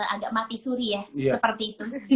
agak mati suri ya seperti itu